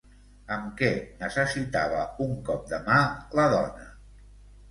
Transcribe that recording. Amb què necessitava un cop de mà la dona?